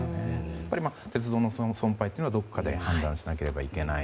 鉄道の存廃というのはどこかで考えないといけない。